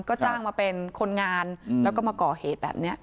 ก็จ้างมาเป็นคนงานแล้วก็มาก่อเหตุแบบนี้